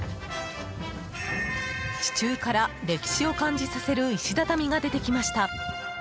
地中から歴史を感じさせる石畳が出てきました。